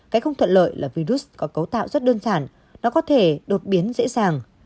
cái không thuận lợi là virus có cấu tạo rất đơn giản nó có thể đột biến dễ dàng